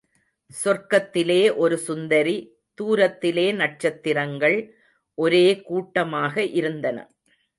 சொர்க்கத்திலே ஒரு சுந்தரி தூரத்திலே நட்சத்திரங்கள் ஒரே கூட்டமாக இருந்தன.